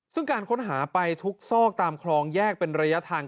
ซึ่งการค้นหาไปทุกซอกตามคลองแยกเป็นระยะทาง